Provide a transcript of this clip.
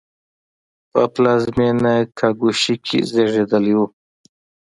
په پلازمېنه کاګوشی کې زېږېدلی و.